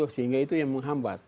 sehingga itu yang menghambat